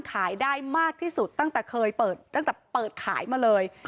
ขายได้มากที่สุดตั้งแต่เคยเปิดตั้งแต่เปิดขายมาเลย